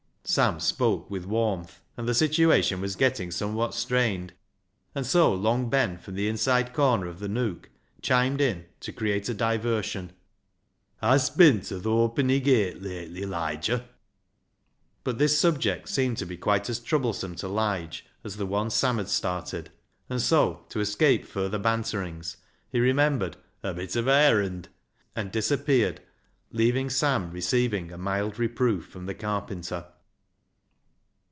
Sam spoke with warmth, and the situation was getting somewhat strained, and so Long Ben, from the inside corner of the nook, chimed in, to create a diversion —" Hast bin to th' Hawpenny Gate lately, Liger ?" But this subject seemed to be quite as trouble some to Lige as the one Sam had started, and so, to escape further banterings, he remembered "a bit of a arrand," and disappeared, leaving Sam receiving a mild reproof from the carpenter.